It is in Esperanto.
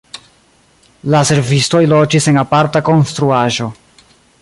La servistoj loĝis en aparta konstruaĵo.